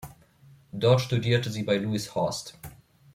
Dort studierte sie bei Louis Horst.